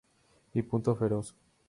Y punto feroz.